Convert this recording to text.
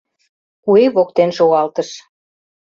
Куэ воктен шогалтыш.